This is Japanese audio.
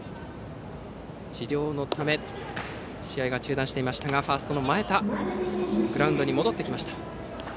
治療のため試合が中断していましたがファーストの前田グラウンドに戻ってきました。